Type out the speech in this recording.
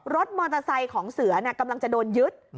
รถมอเตอร์ไซค์ของเสือกำลังจะโดนยึด